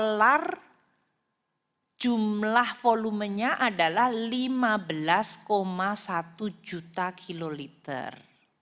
dolar jumlah volumenya adalah lima belas satu juta kiloliter